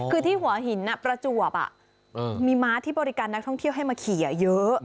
คือที่หัวหินประจวบมีม้าที่บริการนักท่องเที่ยวให้มาขี่เยอะ